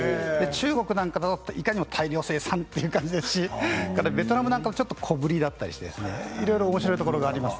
中国は、いかにも大量生産という感じですしベトナムはちょっと小振りだったりしていろいろおもしろいところがあります。